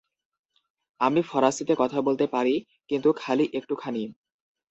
আমি ফরাসিতে কথা বলতে পারি, কিন্তু খালি একটুখানি।